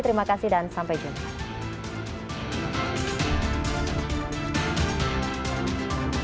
terima kasih dan sampai jumpa